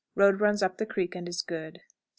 Road runs up the creek, and is good. 17 1/4.